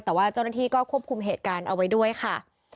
แต่ว่าเจ้าหน้าที่ก็ควบคุมเหตุการณ์เอาไว้ด้วยค่ะ